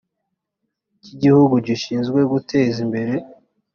cy’igihugu gishinzwe guteza imbere